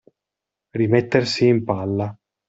Rimettersi in palla.